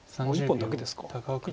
１本だけですか。